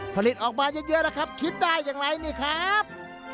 ผลิตออกมาเยอะคิดได้อย่างไรนี่ครับ